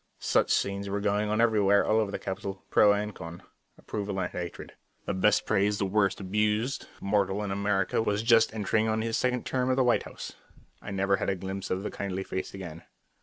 Such scenes were going on everywhere all over the capital, pro and con. Approval and hatred. The best praised, the worst abused mortal in America was just entering on his second term at the White House. I never even had a glimpse of the kindly face again.